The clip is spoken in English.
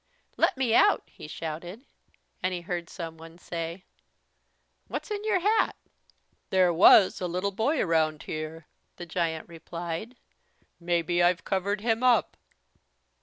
"Let me out," he shouted. And he heard someone say: "What's in your hat?" "There was a little boy around here," the giant replied. "Maybe I've covered him up."